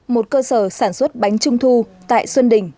một cơ sở sản xuất bánh trung thu tại xuân đình